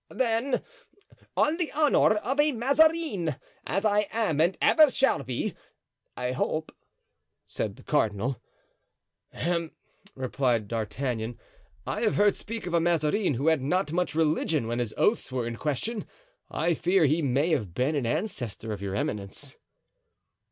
"Then, on the honor of a Mazarin, as I am and ever shall be, I hope," said the cardinal. "Hem," replied D'Artagnan. "I have heard speak of a Mazarin who had not much religion when his oaths were in question. I fear he may have been an ancestor of your eminence."